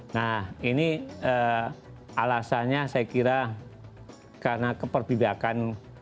nah ini alasannya saya kira karena keperbibakan